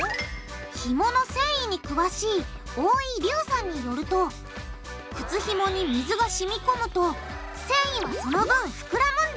ひもの繊維に詳しい大井龍さんによると靴ひもに水がしみこむと繊維はその分膨らむんだ。